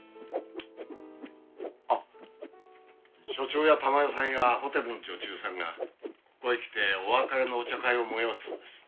あっ署長や珠代さんやホテルの女中さんがここへ来てお別れのお茶会を催すそうです。